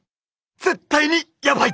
絶対にやばい。